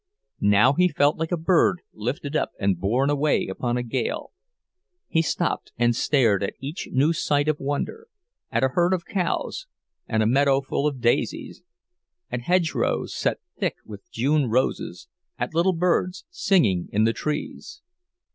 And now he felt like a bird lifted up and borne away upon a gale; he stopped and stared at each new sight of wonder—at a herd of cows, and a meadow full of daisies, at hedgerows set thick with June roses, at little birds singing in the trees.